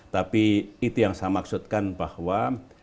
tapi itu yang saya maksudkan bahwa